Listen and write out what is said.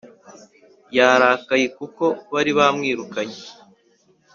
Yarakaye kuko bari bamwirukanye